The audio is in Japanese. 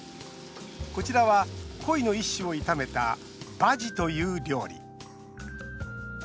こちらはコイの一種を炒めたバジという料理。